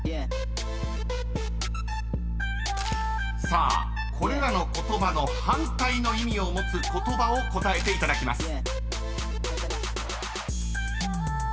［さあこれらの言葉の反対の意味を持つ言葉を答えていただきます］